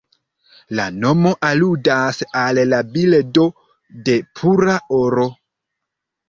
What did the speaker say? La nomo aludas al la bildo de "pura oro".